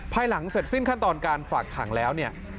ภายหลังเสร็จสิ้นขั้นตอนการฝากขังแล้วเนี่ย